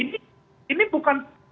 nah ini bukan